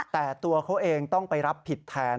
แต่ตัวเขาเองต้องไปรับผิดแทน